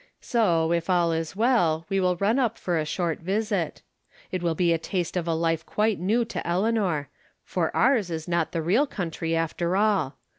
So, if all is well, we will run up for a short visit. It will be a taste of a life quite new to Eleanor, for ours is not the real country after all.